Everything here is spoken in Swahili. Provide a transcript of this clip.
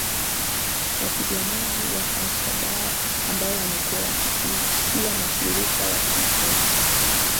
wapiganaji wa alshabaab ambao wamekuwa wakitishia mashirika ya kimataifa